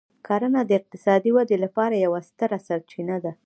کرنه د اقتصادي ودې لپاره یوه ستره سرچینه ده.